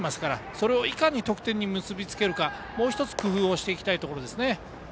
それをいかに得点に結びつけるかもう１つ、工夫をしていきたいところです。